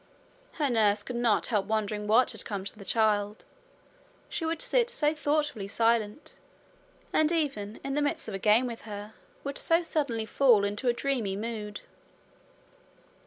Her nurse could not help wondering what had come to the child she would sit so thoughtfully silent, and even in the midst of a game with her would so suddenly fall into a dreamy mood.